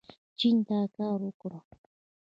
چین دا کار وکړ.